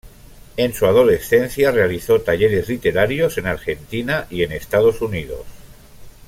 En su adolescencia realizó talleres literarios en Argentina y en Estados Unidos.